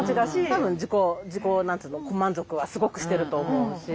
多分自己満足はすごくしてると思うし。